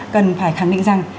cần phải khẳng định rằng